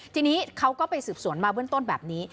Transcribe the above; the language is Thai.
ทีนี้เขาก็ไปสืบสวนมาเบื้องต้นแบบนี้